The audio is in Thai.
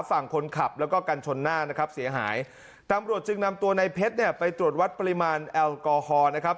ฝั่งคนขับแล้วก็กันชนหน้านะครับเสียหายตำรวจจึงนำตัวในเพชรเนี่ยไปตรวจวัดปริมาณแอลกอฮอล์นะครับ